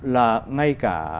là ngay cả